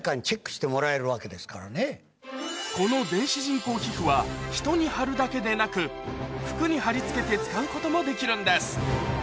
この電子人工皮膚は人に貼るだけでなく服に貼り付けて使うこともできるんです